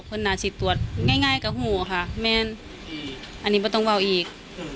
คนนาสิตรวจง่ายกับหูค่ะแมนอันนี้ไม่ต้องว่าวอีก